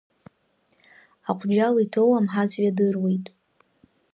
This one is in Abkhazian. Аҟәџьал иҭоу амҳаҵә иадыруеит.